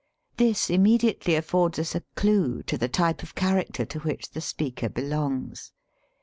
This immediately affords us a clue to the type of character to which the speaker be longs.